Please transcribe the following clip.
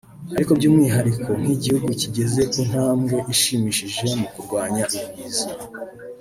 ariko by’umwihariko nk’igihugu kigeze ku ntambwe ishimishije mu kurwanya Ibiza